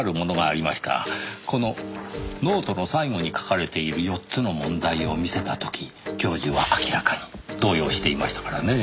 このノートの最後に書かれている４つの問題を見せた時教授は明らかに動揺していましたからねぇ。